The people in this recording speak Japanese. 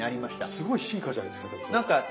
すごい進化じゃないですかそれ。